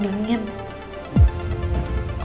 jangan om dingin